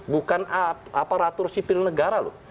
bukan aparatur sipil negara loh